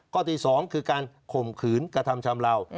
กรติสองคือการข่มขืนกระทำชำเหล่า